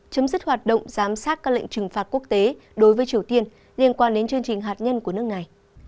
chấm dứt hoạt động giám sát các lệnh trừng phạt quốc tế đối với triều tiên liên quan đến chương trình hạt nhân của nước này